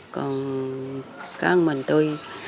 còn có mình tôi